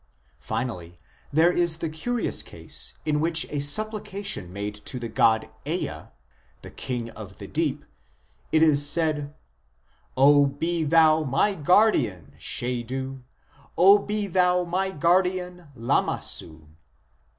Finally, there is the curious case in which in a supplication made to the god Ea, " the king of the deep," it is said :" be thou my guardian Shedu, be thou my guardian Lamassu."